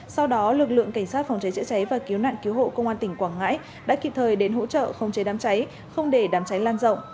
sau đó lực lượng cảnh sát phòng cháy chữa cháy và cứu nạn cứu hộ công an tỉnh quảng ngãi đã kịp thời đến hỗ trợ không chế đám cháy không để đám cháy lan rộng